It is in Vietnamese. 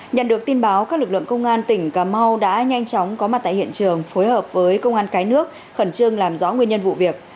nhận được tin báo các lực lượng công an tỉnh cà mau đã nhanh chóng có mặt tại hiện trường phối hợp với công an cái nước khẩn trương làm rõ nguyên nhân vụ việc